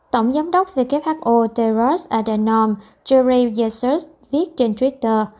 tổng giám đốc who terence adenom gerard yersuch viết trên twitter